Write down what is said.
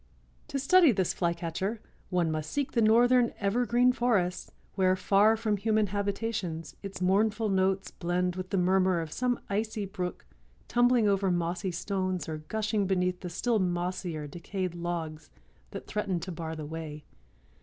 To study this Flycatcher "one must seek the northern evergreen forests, where, far from human habitations, its mournful notes blend with the murmur of some icy brook tumbling over mossy stones or gushing beneath the still mossier decayed logs that threaten to bar the way.